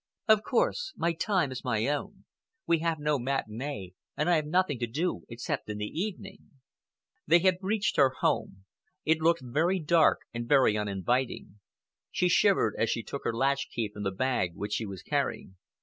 "Of course... My time is my own. We have no matinee, and I have nothing to do except in the evening." They had reached her home. It looked very dark and very uninviting. She shivered as she took her latchkey from the bag which she was carrying.